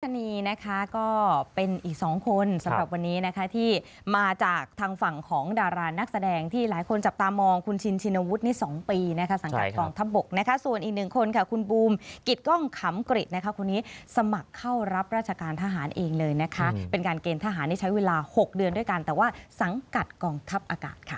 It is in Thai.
ณีนะคะก็เป็นอีกสองคนสำหรับวันนี้นะคะที่มาจากทางฝั่งของดารานักแสดงที่หลายคนจับตามองคุณชินชินวุฒินี่๒ปีนะคะสังกัดกองทัพบกนะคะส่วนอีกหนึ่งคนค่ะคุณบูมกิจกล้องขำกริจนะคะคนนี้สมัครเข้ารับราชการทหารเองเลยนะคะเป็นการเกณฑหารนี่ใช้เวลา๖เดือนด้วยกันแต่ว่าสังกัดกองทัพอากาศค่ะ